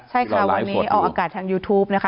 ใช่ค่ะวันนี้ออกอากาศทางยูทูปนะคะ